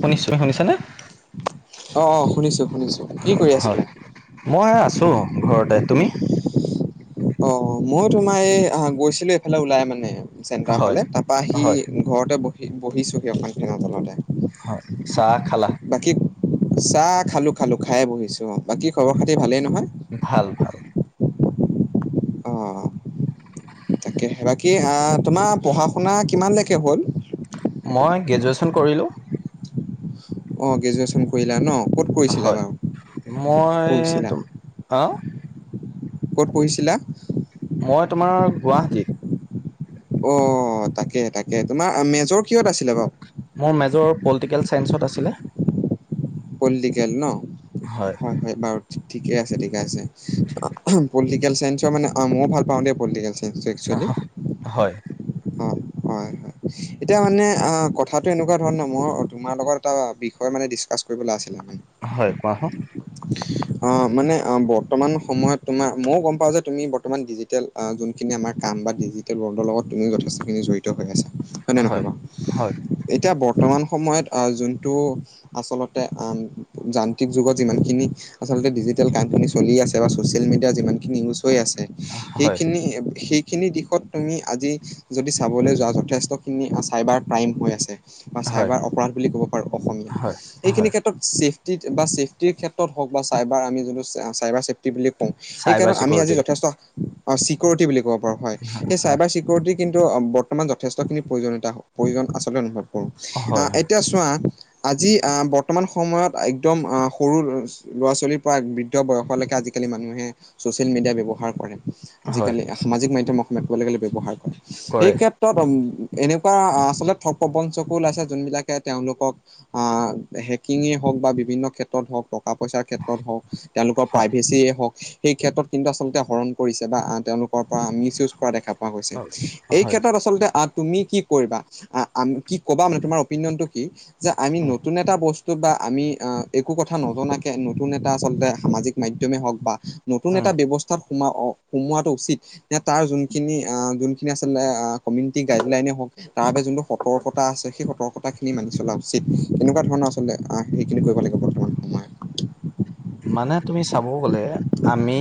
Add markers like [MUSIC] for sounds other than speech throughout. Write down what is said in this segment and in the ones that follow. শুনিছো। শুনিছানে? অ', অ', শুনিছো শুনিছো। কি হ কৰি হয়। আছিলা মই আছোঁ ঘৰতে। তুমি? অ', অ', মই তোমাৰ এই আহ গৈছিলো এইফালে ওলাই মানে চেন্টাৰ হয়। ফালে। তাৰপা হয় আহি- ঘৰতে বহি বহিছোহি অকন ফেনৰ তলতে। হয়। চাহ খালা? বাকী চাহ খালোঁ খালোঁ। খায়ে বহিছো অ'। বাকী খবৰ-খাতি ভালেই নহয়? ভাল ভাল। অ', তাকেহে। বাকী আ তোমাৰ পঢ়া-শুনা কিমানলৈকে হ'ল? মই গ্ৰেজুৱেশ্যন কৰিলোঁ। অ', গ্ৰেজুৱচন কৰিলা ন। ক'ত কৰিছিলা হয়। বাৰু মই পঢ়িছিলা তো-হা? ক'ত পঢ়িছিলা? মই তোমাৰ গুৱাহাটীত। অ', তাকে তাকে। তোমাৰ মেজৰ কিহত আছিলে বাৰু? মোৰ মেজৰ পলটিকেল চাইন্সত আছিলে। পলটিকেল ন। হয় হয়। বাৰু, ঠিকেই আছে ঠিকে আছে। ঠিক পলটিকেল চাইন্সৰ মানে ময়ো ভাল পাওঁ দে পলটিকেল অহ, হয়। অঁ হয় হয়। এতিয়া মানে অ', কথাটো এনেকুৱা ধৰণৰ মই তোমাৰ লগত এটা বিষয় মানে ডিচকাচ কৰিবল আছিলে মান। হয়, কোৱাচোন। অ', মানে অ', বৰ্তমান সময়ত তোমাৰ ময়ো গম পাওঁ যে তুমি বৰ্তমান ডিজিটেল যোনখিনি আমাৰ কাম বা ডিজিটেল ৱৰ্ল্ডৰ লগত তুমিও যথেষ্টখিনি জড়ি ত হৈ আছা হয় নে নহয় বাৰু? এতিয়া বৰ্তমান সময়ত আহ যোনটো আচলতে আম যান্ত্ৰিক যুগত যিমানখিনি আচলতে ডিজিটেল কামখিনি চলি আছে বা ছ'চিয়েল মিডিয়াৰ যিমানখিনি ইউজ হৈ আছে হয় সেইখিনি সেইখিনি দিশত তুমি আজি যদি চাবলৈ যোৱা যথেষ্টখিনি চাইবাৰ ক্ৰাইম হৈ আছে। বা হয় চাইবাৰ অপৰাধ বুলি ক'ব পাৰো অসমীয়া। হয় এইখিনি হয় ক্ষেত্ ত ছেফটিত বা ছেফটিৰ ক্ষেত্ৰত হওক বা চাইবাৰ আমি যোনটো চাইবাৰছে টি বুলি কওঁ। চাইবাৰ সেইকাৰণ আমি আজি চিকিউৰিটি যথেষ্ট অ', ছিকিউৰটি বুলি ক'ব পাৰো। হয়, সেই হয় চাইবাৰ চি ছিকিউৰটি কিন্তু বৰ্তমান যথেষ্টখিনি প্ৰয়োজনীয়তা হ প্ৰয়োজন আচলে অনুভৱ কৰো। হয় আহ এতিয়া চোৱা আজি আ বৰ্তমান সময়ত একদম সৰু ল'ৰা-ছোৱালীৰ পৰা বৃদ্ধ বয়সলৈকে আজিকালি মানুহে ছচিয়েল মিডিয়া ব্যৱহাৰ কৰে। হয় আজিকালি সামাজিক মাধ্যম অসমীয়াত ক'বলে গ'লে ব্যৱহাৰ কৰে। সেই কৰে ক্ষেত ত ম এনেকুৱা আচলত ঠগ-প্ৰবঞ্চকো ওলাইছে যোনবিলাকে তেওঁলোকক আ হেকিঙে হওক বা বিভিন্ন ক্ষেত্ৰত হওক টকা-পইচাৰ ক্ষেত্ৰত হওক, তেওঁলোকৰ হয় প্ৰাইভেচিয়ে হওক সেইক্ষেত্ৰত কিন্তু আচলতে হৰণ কৰিছে বা আ তেওঁলোকৰ পৰা মিছ ইউজ কৰা দেখা পোৱা গৈছে। হয় ত আচলতে আগ তুমি কি কৰিবা আ আম কি ক'বা মানে তোমাৰ অপিনিয়নটো কি? যে আমি উম নতুন এটা বচ টো বা আমি আ একো কথা নজনাকে নতুন এটা আচলতে সামাজিক মাধ্যমেই হওক বা নতুন উম এটা ব্যৱস্থাত সোমোৱা সোমোৱাটো উচিত নে তাৰ যোনখিনি আহ যোনখিনি [UNINTELLIGIBLE] আ কমিউনিটি গাইডলাইনে হওক। তাৰ বাবে যোনটো সতৰ্কতা আছে সেই সতৰ্কতাখিনি মানি চলা উচিত। তেনেকুৱা ধৰণৰ আচলতে আহ সেইখিনি কৰিব লাগিব বৰ্তমান। সময়ত। মানে তুমি চাব গ'লে আমি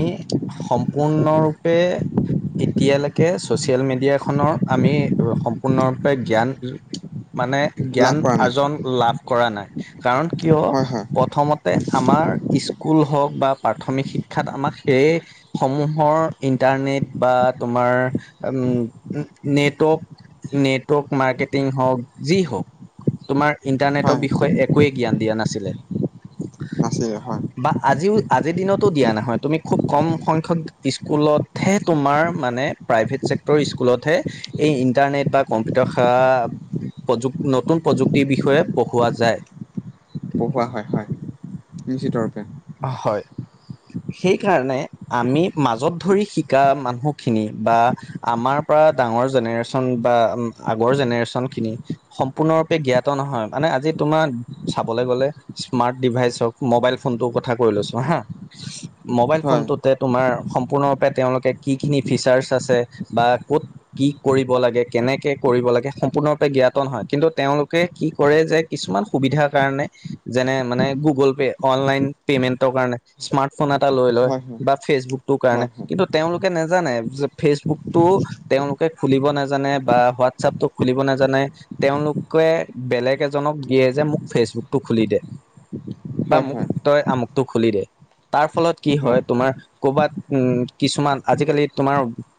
সম্পূৰ্ণৰূপে এতিয়ালৈকে ছ'চিয়েল মিডিয়াখনৰ আমি সম্পূৰ্ণৰূপে জ্ঞান মানে জ্ঞান লাভ কৰা নাই আৰ্জন লাভ কৰা নাই কাৰণ কিয় হয় হয় প্ৰথমতে আমাৰ স্কুল হওক বা প্ৰাথমিক শিক্ষাত আমাক সেয়ে সমূহৰ ইন্টাৰনেট বা তোমাৰ উ, নেটৱৰ্ক নেটৱৰ্ক মাৰ্কেটিং হওক, যি হওক তোমাৰ ইণ্টাৰনেটৰ হয় বিষয়ে একোৱেই জ্ঞান দিয়া নাছিলে। আছিলে হয়। বা আজিও আজিৰ দিনতো দিয়া নহয়, তুমি খুব কম সংখ্যক স্কুলতহে তোমাৰ মানে প্ৰাইভেট চেক্টৰৰ স্কুলতহে এই ইণ্টাৰনেট বা কম্পিউটাৰ সেৱা প্ৰযুক নতুন প্ৰযুক্তিৰ বিষয়ে পঢ়োৱা যায়। পঢ়োৱা হয়, হয়, নিশ্চিতৰূপে। হয়। সেইকাৰণে আমি মাজত ধৰি শিকা মানুহখিনি বা আমাৰপৰা ডাঙৰ জেনেৰেশ্যন বা আগৰ জেনেৰেশ্যনখিনি সম্পূৰ্ণৰূপে জ্ঞাত নহয়, মানে আজি তোমাৰ চাবলৈ গ'লে স্মাৰ্ট ডিভাইচ হওঁক, মোবাইল ফোনটোৰ কথা কৈ লৈছোঁ হা। মোবাইল হয় ফোনটোতে তোমাৰ সম্পূৰ্ণৰূপে তেওঁলোকে কিখিনি ফিচাৰ্চ আছে বা ক'ত কি কৰিব লাগে, কেনেকে কৰিব লাগে সম্পূৰ্ণৰূপে জ্ঞাতন হয় কিন্তু তেওঁলোকে কি কৰে যে কিছুমান সুবিধাৰ কাৰণে যেনে মানে গুগল পে, অনলাইন পেমেন্টৰ কাৰণে স্মাৰ্ট ফোন এটা লৈ লয় হয় হয় বা ফেচবুকটোৰ হয় কাৰণে কিন্তু তেওঁলোকে নেজানে যে ফেচবুকটো তেওঁলোকে খুলিব নাজানে বা হোৱাটছপটো খুলিব নেজানে। তেওঁলোকে বেলেগ এজনক দিয়ে যে মোক ফেচবুকটো খুলি দে। হয় বা হয় মোক হয় তই আমুকটো খুলি দে, তাৰফলত কি হয় তোমাৰ কৰ'বাত উম, কিছুমান আজিকালি তোমাৰ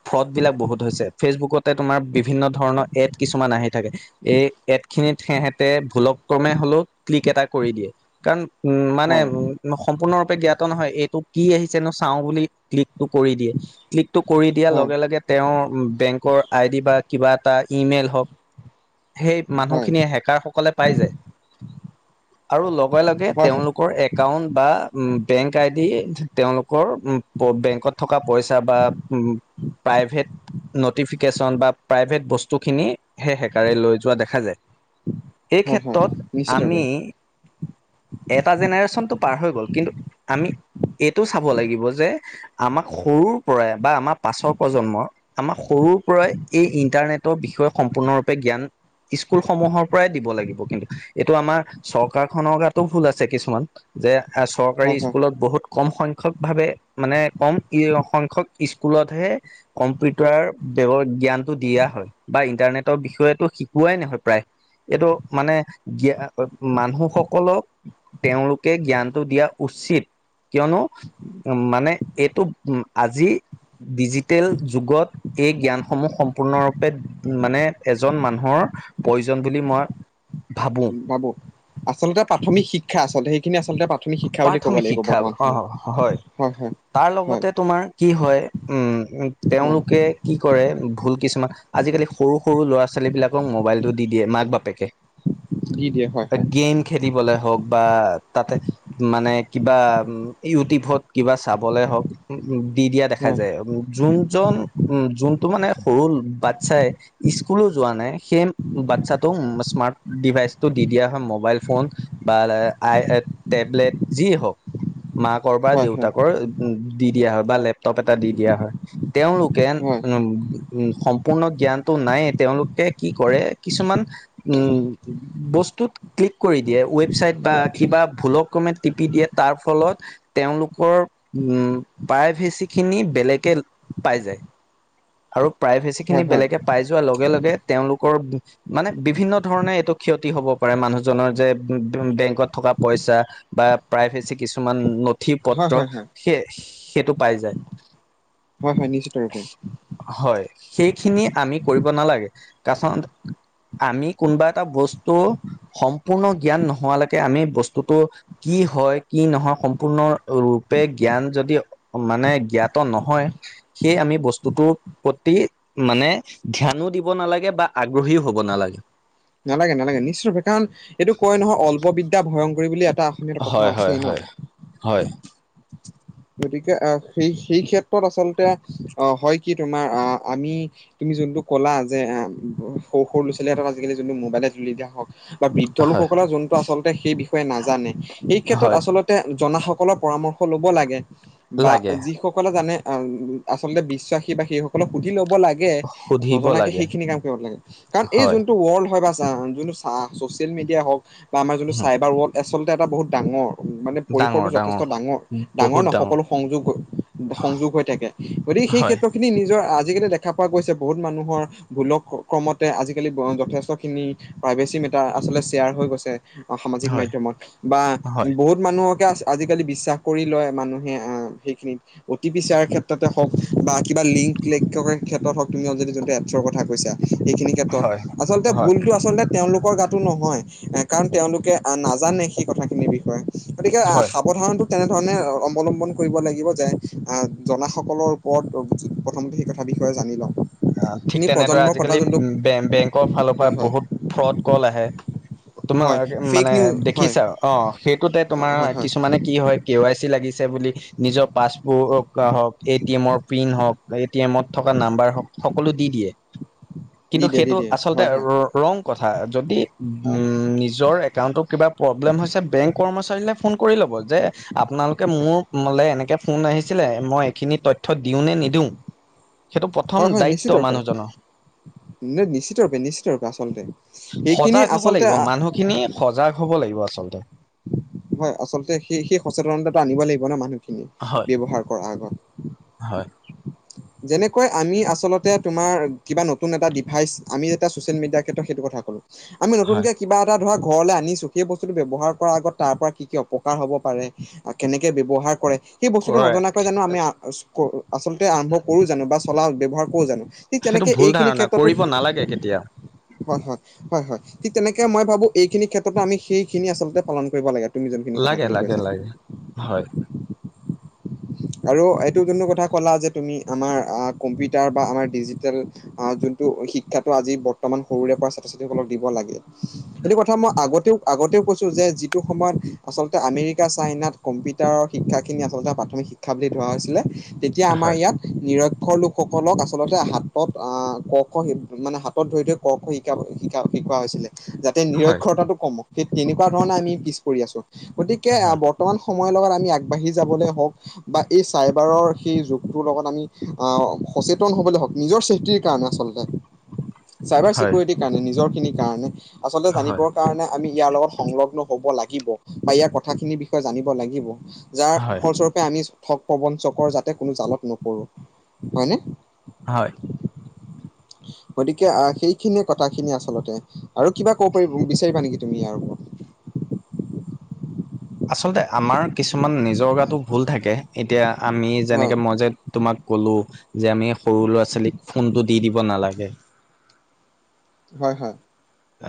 ফ্ৰডবিলাক বহুত হৈছে, ফেচবুকতে তোমাৰ বিভিন্ন ধৰণৰ এড কিছুমান আহি থাকে এই এডখিনিত সেহেতে ভুলক্ৰমে হ'লেও ক্লিক এটা কৰি দিয়ে। কাৰণ উম, মানে হয় উ সম্পূৰ্ণৰূপে জ্ঞাত নহয়, এইটো কি আহিছেনো চাওঁ বুলি ক্লিকটো কৰি দিয়ে। ক্লিকটো কৰি দিয়াৰ হয় লগে লগে তেওঁৰ বেংকৰ আইডি বা কিবা এটা ইমেইল হওঁক সেই হয় মানুহখিনিয়ে হেকাৰসকলে পাই যে আৰু লগ লগে লগে হয় তেওঁলোকৰ এক একাউন্ট বা বেংক আইডি, তেওঁলোকৰ বেংকত থকা পইচা বা উ প্ৰাইভেট নটিফিকেশ্যন বা প্ৰাইভেট বস্তুখিনি সেই হেকাৰে লৈ যোৱা দেখা যায়। সেই হয় হয় ক্ষেত্ৰত নিশ্চিত ৰূপে আমি এটা জেনেৰেচন টো পাৰ হৈ গ'ল কিন্তু আমি এইটো চাব লাগিব যে আমাক সৰুৰপৰাই বা আমাৰ পাছৰ প্ৰজন্ম আমাক সৰুৰপৰাই এই ইণ্টাৰনেটৰ বিষয়ে সম্পূৰ্ণৰূপে জ্ঞান স্কুলসমূহৰ পৰাই দিব লাগিব কিন্তু। এইটো আমাৰ চৰকাৰখনৰ গাতো ভুল আছে কিছুমান যে এ, হয় চৰকাৰী হয় স্কুলত বহুত কম সংখ্যক ভাৱে মানে কম ই সংখ্যক স্কুলতহে কম্পিউটাৰ ব্যা জ্ঞানটো দিয়া হয়। বা ইণ্টাৰনেটৰ বিষয়েতো শিকোৱাই নহয় প্ৰায়। এইটো মানে জ্ঞা মানুহ সকলক তেওঁ কে জ্ঞানটো দিয়া উচিত কিয়নো মানে এইটো উ, আজি ডিজিটেল যুগত এই জ্ঞানসমূহ সম্পূৰ্ণৰূপে মানে এজন মানুহৰ প্ৰয়োজন বুলি মই ভাবোঁ। ভাবোঁ, আচলতে প্ৰাথমিক শিক্ষা, আচলতে সেইখিনি আচলতে প্ৰাথমিক শিক্ষা বুলি ক'ব প্ৰাথমিক লাগিব শিক্ষা বৰ্তমান অ সময়ত, হয় হয়। তাৰ হয় লগতে, তোমাৰ কি হয়! উম, হয় তেওঁলোকে কি কৰে, ভুল কিছুমান আজিকালি, সৰু-সৰু, ল'ৰা-ছোৱালী বিলাকক মোবাইলটো দি দিয়ে, মাক-বাপেকে। দি দিয়ে, হয়, হয়। গেম খেলিবলে হওঁক বা তাতে মানে, কিবা ইউটিউবত কিবা চাবলে হওঁক, উম, উম! দি দিয়া দেখা যায়। যোনজন, উম! যোনটো মানে, সৰু বাচ্ছাই স্কুলো যোৱা নাই। সেই বাচ্ছাটো, স্মাৰ্ট ডিভাইচটো দি দিয়া হয়, মোবাইল ফোন বা আই, টেবলেট যি হওঁক, মাকৰ বা হয় হয় দেউতাকৰ দি দিয়া হয় বা লেপটপ এটা, দি দিয়া হয়। তেওঁলোকে, হয় উম! সম্পূৰ্ণ জ্ঞানটো নাইয়ে। তেওঁলোকে, কি কৰে! কিছুমান উম, বস্তুত ক্লিক কৰি দিয়ে, ৱেবচাইট বা কিবা ভুলক ক্ৰমে টিপি দিয়ে, তাৰ ফলত তেওঁলোকৰ, উম! প্ৰাইভেচি খিনি, বেলেগে পাই যায়। [INAUDIBLE] আৰু প্ৰাইভেচি খিনি, হয় হয় হয় বেলেগে পাই যোৱাৰ লগে- লগে, তেওঁলোকৰ মানে, বিভিন্ন ধৰণে, এইটো ক্ষতি হ'ব পাৰে। মানুহজনৰ যে [UNINTELLIGIBLE] বেংকত থকা পইচা বা প্ৰায়ভেচি কিছুমান, নথি- হয় পত্ৰ হয় হয় সেই, সেইটো পাই যায়। হয়, হয়, নিশ্চয় পায়। হয়, সেইখিনি আমি কৰিব নালাগে। তাৰপাছত আমি, কোনোবা এটা বস্তু, সম্পূৰ্ণ জ্ঞান নোহোৱালৈকে, আমি বস্তুটো কি হয়, কি নহয়! সম্পূৰ্ণ ৰূপে জ্ঞান যদি মানে, জ্ঞাত নহয়। সেই, আমি বস্তুটোৰ প্ৰতি মানে, ধ্যানো দিব নালাগে বা আগ্ৰহীও হ'ব নালাগে। নালাগে, নালাগে, নিশ্চয়ৰূপে। কাৰণ, এইটো কয় নহয়! অল্প বিদ্যা ভয়ংকৰী বুলি এটা। অসমীয়াত কথা হয়, হয়, আছেই ন হয়, হয়। গতিকে, এ, সেই, সেই ক্ষেত্ৰত আচলতে, অ'! হয়, কি তোমাৰ, আঁ আমি তুমি যোনটো ক'লা যে, এ, সৰু-সৰু ল'ৰা-ছোৱালী হাতত আজিকালি, যোনটো মোবাইলে তুলি দিয়া হওঁক বা বৃদ্ধ হয় লোকসকলে, যোনটো আচলতে সেই বিষয়ে নাজানে। এই ক্ষেত্ৰত হয় আচলত আচলতে, জনাসকলৰ পৰামৰ্শ ল'ব লাগে। বা লাগে যি সকলে জানে! আচলতে, বিশ্বাসী বা সেই সকলক সুধি ল'ব লাগে। তাকে, সুধিব নজনাকে লাগে সেইখিনি, কাম কৰিব লাগে। কাৰণ, এই, হয় যোনটো ৱৰ্ল্ড [UNINTELLIGIBLE] বা ছ'চিয়েল মিডিয়াই হওঁক বা আমাৰ যোনটো, চাইবাৰ ৱৰ্ল্ড, আচলতে এটা বহুত ডাঙৰ! মানে, পৰিসৰটো ডাঙৰ যথেষ্ট ডাঙৰ ডাঙৰ-ডাঙৰ বহুত নহয়। ডাঙৰ সকলো সংযোগ, সংযোগ হৈ থাকে। গতিকে, সেই হয় ক্ষেত্ৰত যিখিনি, নিজৰ আজিকালি, দেখা পোৱা গৈছে, বহুত মানুহৰ ভুলক ক্ৰমতে, আজিকালি যথেষ্ট খিনি, প্ৰাইভেচি মেটাৰ আচলতে, শ্বেয়াৰ হৈ গৈছে। অ'! সামাজিক হয় মাধ্যমত বা হয় বহুত মানুহকে আজিকালি, বিশ্বাস কৰি লয়! মানুহ মানুহে। অ'! সেইখিনি অ'টি পি চেয়াৰ ক্ষেত্ৰতে হওঁক বা কিবা লিংক লিক ক্ষেত্ৰত হওঁক, তুমিও যদি যোনটো, এপছৰ কথা কৈছা। এইখিনি ক্ষেত্ৰত, হয় আচলতে হয় ভুলতো আচলতে, তেওঁলোকৰ গাতো নহয়। এ, কাৰণ তেওঁলোকে, নাজানে। সেই, কথাখিনিৰ বিষয়ে। গতিকে, আঁ হয় সাৱধানটো কেনেধৰণে অৱলম্বন কৰিব লাগিব। যে, জনাসকলৰ ওপৰত প্ৰথমতে, সেই কথা বিষয়ে জানি লওঁ। অ'! ঠিক তুমি তেনেদৰে, প্ৰজন্মৰ কথা আজিকালি যোনটো বেংকৰ ফালৰ পৰা, হয় হয় বহুত ফ্ৰড ক'ল আহে। তোমাৰ হয় ফেক মানে, নিউজ হয় দেখিছা? অ'! সেইটোতে তোমাৰ, হয় হয় কিছুমানে কি হয়! কে ৱাই চি লাগিছে বুলি, নিজৰ পাছবুক হওঁক, এ টি এমৰ পিন হওঁক, এটি এমত থকা নাম্বাৰ হওঁক, সকলো দি দিয়ে। কিন্তু, দি দিয়ে দি সেইটো দিয়ে আচলতে হয় হয় ৰঙ কথা। যদি, উম! নিজৰ একাউণ্টত কিবা প্ৰব্লেম হৈছে, বেংক কৰ্মচাৰীলে ফোন কৰি ল'ব? যে, আপোনালোকে মোৰ, মোলে এনেকে, ফোন আহিছিলে। মই এইখিনি তথ্য তথ্য দিওঁ নে নিদিওঁ! সেইটো প্ৰথম দায়িত্ব মানুহজনৰ। ন নিশ্চিত ৰপে নিশ্চিত ৰূপে আচলতে সেইখিনিয় আচলতে সেইখিনি সজাগ হ'ব লাগিব আচলতে। হয়, আচলতে সেই সেই সচেতনতাটো আনিব লাগিব ন' মানুহখিনি, হয়। ব্যৱহাৰ কৰাৰ আগত। হয়। যেনেকৈ আমি আচলতে তোমাৰ কিবা নতুন এটা ডিভাইচ আমি যেতিয়া ছ'চিয়েল মিডিয়াৰ ক্ষেত্ৰত সেইটো কথা ক'লোঁ। আমি হয়, নতুনকে কিবা এটা ধৰা ঘৰলে আনিছোঁ। সেই বস্তুটো ব্যৱহাৰ কৰাৰ আগত তাৰ পৰা কি কি অপকাৰ হ'ব পাৰে কেনেকে ব্যৱহাৰ কৰে। সেই বস্তুটো কৰে নজনাকৈ জানো আমি আচলতে আৰম্ভ কৰোও জানো বা চলা ব্য্ৱহাৰ কৰো জানো। ঠিক সেইটো তেনেকৈ ভুল এইখিনি ধাৰণা ক্ষেত্ৰতো কৰিব শিক নালাগে কেতিয়াও। হয়, হয়, হয়, হয়, ঠিক তেনেকে মই ভাবো এইখিনি ক্ষেত্ৰতো আমি সেইখিনি আচলতে পালন কৰিব লাগে। তুমি যোনখিনি লাগে, কথাখিনি লাগে, কৈছা। লাগে। হয়। আৰু এইটো যোনটো কথা ক'লা যে, তুমি আমাৰ কম্পিউটাৰ বা আমাৰ ডিজিটেল আহ, যোনটো শিক্ষাটো আজি বৰ্তমান সৰুৰে পৰা ছাত্ৰ-ছাত্ৰীসকলক দিব লাগে। এইেইটো কথা মই আগতেও আগতেও কৈছোঁ যে যিটো সময়ত আচলতে আমেৰিকা চাইনাত কম্পিউটাৰৰ শিক্ষাখিনি আচলতে প্ৰাথমিক শিক্ষা বুলি ধৰা হৈছিলে তেতিয়া আমাৰ হয়, ইয়াত নিৰক্ষৰ লোকসকলক আচলতে হাতত আহ, ক খ মানে হাতত ধৰি থৈ ক খ শিকা শিকা শিকোৱা হৈছিলে, যাতে হয়, নিৰক্ষতৰতাটো কমক সেই তেনেকুৱা ধৰণে আমি পিছ পৰি আছো গতিকে আহ হয়, বৰ্তমান সময়ৰ লগত আমি আগবাঢ়ি যাবলৈ হওক বা এই চাইবাৰৰ সেই যুগটোৰ লগত আমি আহ, সচেতন হবলৈ হওঁক নিজৰ চেফটি কাৰণে আচলতে চাইবাৰ হয়, চিকিউৰিটিৰ কাৰণে, নিজৰ খিনিৰ কাৰণে আচলতে হয়, জানিবৰ কাৰণে আমি ইয়াৰ লগত সংলগ্ন হব লাগিব বা ইয়াৰ কথাখিনিৰ বিষয়ে জানিব লাগিব। যাৰ হয়। ফলস্বৰূপে আমি ঠগ প্ৰবঞ্চকৰ যাতে কোনো জালত নপৰো, হয়নে? হয়। [INAUDIBLE] গতিকে আহ, সেইখিনিয়ে কথা খিনি আচল্ততে আৰু কিবা ক'ব পাৰিব বিচাৰিবা নেকি তুমি ইয়াৰ ওপৰত? আচলতে আমাৰ কিছুমান নিজৰ গাতো ভুল থাকে এতিয়া আমি হয় যেনেকে মই যে তোমাক কলো যে আমি সৰু ল'ৰা ছোৱালীক ফোনটো দি দিব নালাগে। হয়, হয়।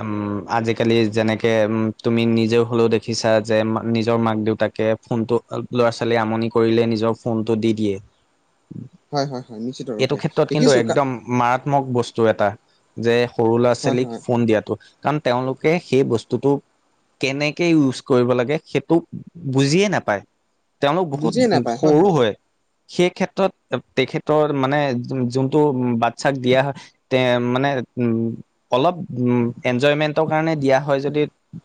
উম, আজিকালি যেনেকে উম, তুমি নিজেও হ'লেও দেখিছা যে, নিজৰ মাক দেউতাকে ফোনটোল ল'ৰা ছোৱালীয়ে আমনি কৰিলে নিজৰ ফোনটো দি দিয়ে। হয়, হয়, হয়, নিশ্চিত এইটো ৰূপে ক্ষেত্ৰত কিন্তু দেখিছো। একদম মাৰাত্মক বস্তু এটা যে সৰু ল'ৰা হয় ছোৱালীক হয় ফোন দিয়টো কাৰণ তেওঁলোকে সেই বস্তুটো কেনেকৈ ইউজ কৰিব লাগে সেইটো বুজিয়ে নাপায়। তেওঁলোক বহুত সৰু হয়। সেই ক্ষেত্ৰত তেখেতৰ মানে যোনটো বাচ্ছাক দিয়া হয় তে মানে উম, অলপ উম, এনজয়মেন্টৰ কাৰণে দিয়া হয় যদি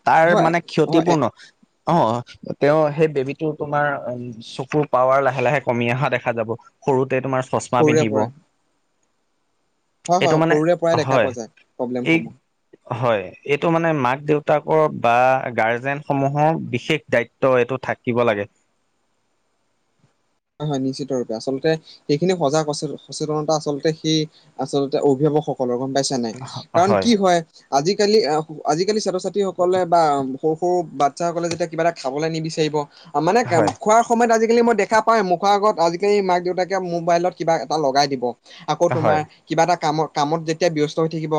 তাৰ হয় মানে হয় এ ক্ষতিপূৰ্ণ অ', তেওঁ সেই বেবীটোৰ তোমাৰ চকুৰ পাৱাৰ লাহে লাহে কমি অহা দেখা যাব। সৰুতে তোমাৰ চচমা সৰুৰে পিন্ধিব। পৰাই হয়, এইটো হয়, মানে সৰুৰে পৰাই দেখা হয় পোৱা যায়। প্ৰব্লেমসমূহ। এই হয়, এইটো মানে মাক-দেউতাকৰ বা গাৰ্জেন সমূহৰ বিশেষ দায়িত্ব ত' এইটো থাকিব লাগে। হয়, হয়, নিশ্চিত ৰূপে আচলতে সেইখিনি সজাগ- সচেতনতা আচলতে সেই আচলতে অভিভাৱকসকলৰ গম পাইছা নাই? কাৰণ কি হয় আজিকালি আজিকালি ছাত্ৰ-ছাত্ৰীসকলে বা সৰু সৰু বাচ্ছাসকলে যেতিয়া কিবা এটা খাবলৈ নিবিচাৰিব মানে হয় খোৱাৰ সময়ত আজিকালি মই দেখো দেখা পাই মুখৰ আগত আজিকালি মাক দেউতাকে মোবাইলত কিবা এটা লগাই দিব, আকৌ তোমাৰ হয় হয় কিবা এটা কামত কামত যেতিয়া ব্যস্ত হৈ থাকিব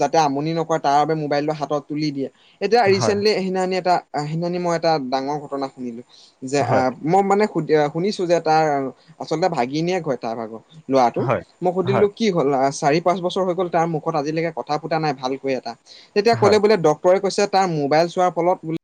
যাতে আমনি নকৰে তাৰ বাবে মোবাইলটো হাতত তুলি দিয়ে। এতিয়া ৰিচেণ্টলি সেইদিনাখনি এটা সেইদিনাখনি মই এটা ডাঙৰ ঘটনা শুনিলোঁ যে আ, হয় মই মানে সু শুনিছোঁ যে তাৰ আচলতে ভাগিনীয়েক হয় তাৰ ভাগৰ ল'ৰাটো, হয় মই হয় সুধিলোঁ কি হ'ল চাৰি পাঁচ বছৰ হৈ গ'ল তাৰ মুখত আজিলৈকে কথা ফুটা নাই ভালকৈ এটা। তেতিয়া হয় ক'লে বোলে ডক্তৰে কৈছে তাৰ মোবাইল চোৱাৰ ফলত